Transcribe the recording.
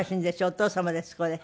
お父様ですこれ。